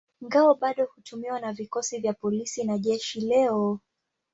Ngao bado hutumiwa na vikosi vya polisi na jeshi leo.